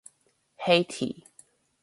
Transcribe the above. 黑體